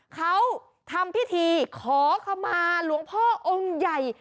เขาทำพิธีขอขมาหลวงพ่อองค์ใหญ่